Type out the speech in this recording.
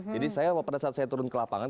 jadi saya pada saat saya turun ke lapangan